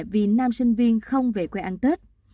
vì nam sinh viên không về quê ăn tết